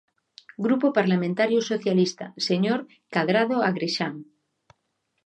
Grupo Parlamentario Socialista, señor Cadrado Agrexán.